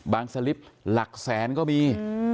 สลิปหลักแสนก็มี